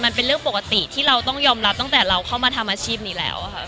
มันเป็นเรื่องปกติที่เราต้องยอมรับตั้งแต่เราเข้ามาทำอาชีพนี้แล้วค่ะ